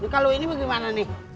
kalau ini bagaimana nih